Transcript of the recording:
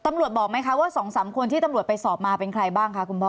บอกไหมคะว่า๒๓คนที่ตำรวจไปสอบมาเป็นใครบ้างคะคุณพ่อ